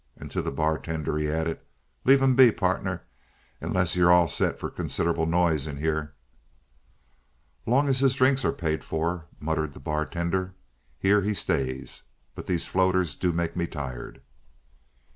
And to the bartender he added: "Leave him be, pardner, unless you're all set for considerable noise in here." "Long as his drinks are paid for," muttered the bartender, "here he stays. But these floaters do make me tired!"